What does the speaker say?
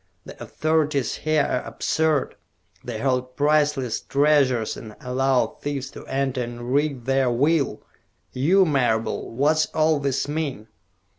The authorities here are absurd! They hold priceless treasures and allow thieves to enter and wreak their will. You, Marable, what's all this mean?"